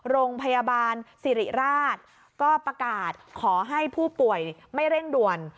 โรงพยาบาลสิริราชก็ประกาศขอให้ผู้ป่วยไม่เร่งด่วน